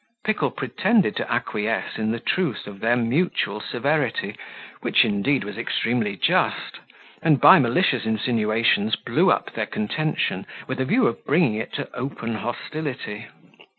Pickle pretended to acquiesce in the truth of their mutual severity, which, indeed, was extremely just; and by malicious insinuations blew up their contention, with a view of bringing it to open hostility.